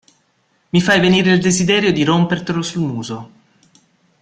Mi fai venire il desiderio di rompertelo sul muso.